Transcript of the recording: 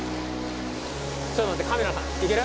ちょっと待ってカメラさんいける？